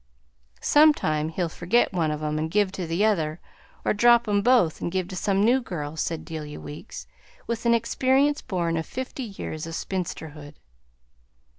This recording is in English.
"Some time he'll forget one of 'em and give to the other, or drop 'em both and give to some new girl!" said Delia Weeks, with an experience born of fifty years of spinsterhood.